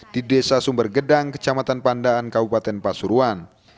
di desa sumbergedang kecamatan pandaan kabupaten pasuruan